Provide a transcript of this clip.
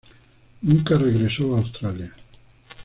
Nunca regresó a Australia.